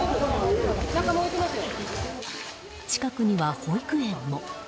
近くには保育園も。